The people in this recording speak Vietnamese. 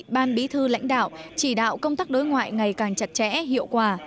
ban bí thư lãnh đạo chỉ đạo công tác đối ngoại ngày càng chặt chẽ hiệu quả